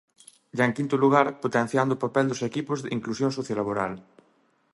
E, en quinto lugar, potenciando o papel dos equipos de inclusión sociolaboral.